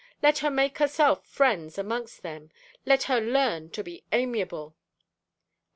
Let her make herself friends amongst them: let her learn to be amiable.' And M.